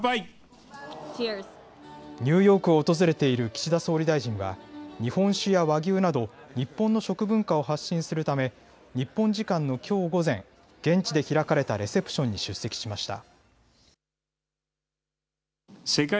ニューヨークを訪れている岸田総理大臣は日本酒や和牛など日本の食文化を発信するため日本時間のきょう午前、現地で開かれたレセプションに出席しました。